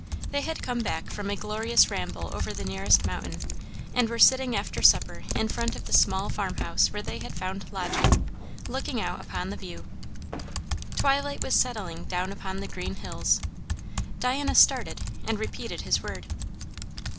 They had come back from a glorious ramble over the nearest mountain, and were sitting after supper in front of the small farm house where they had found lodging, looking out upon the view. Twilight was settling down upon the green hills. Diana started and repeated his word.